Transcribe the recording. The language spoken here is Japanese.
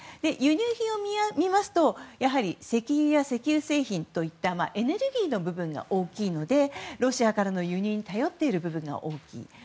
輸入品を見ますとやはり石油や石油製品といったエネルギーの部分が大きいのでロシアからの輸入に頼っている部分が大きい。